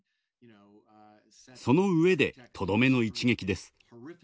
そのうえでとどめの一撃です。